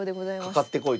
かかってこいと。